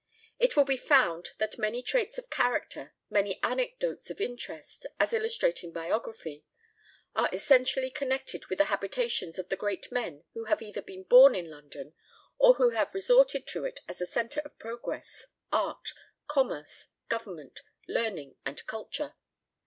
It will be found that many traits of character, many anecdotes of interest, as illustrating biography, are essentially connected with the habitations of the great men who have either been born in London, or have resorted to it as the centre of progress, art, commerce, government, learning, and culture.